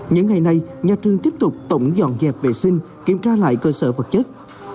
những ngày này nhà trường tiếp tục tổng dọn dẹp vệ sinh kiểm tra lại cơ sở vật chất